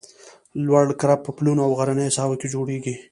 لوړ کرب په پلونو او غرنیو ساحو کې جوړیږي